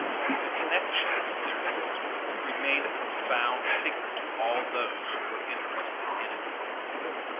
The connection, therefore, remained a profound secret to all but those who were interested in it.